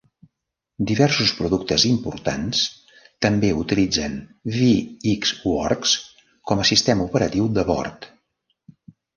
Diversos productes importants també utilitzen VxWorks com a sistema operatiu de bord.